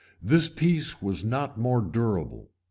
This peace was not more durable.